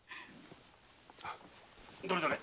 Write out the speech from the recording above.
どれどれ。